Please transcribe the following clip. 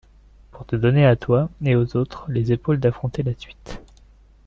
Pour te donner, à toi et aux autres, les épaules d’affronter la suite.